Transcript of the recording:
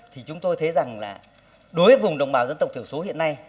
thì chúng tôi thấy rằng là đối với vùng đồng bào dân tộc thiểu số hiện nay